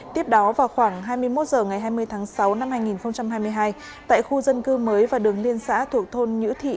tiếp đó vào khoảng hai mươi một h ngày hai mươi tháng sáu năm hai nghìn hai mươi hai tại khu dân cư mới và đường liên xã thuộc thôn nhữ thị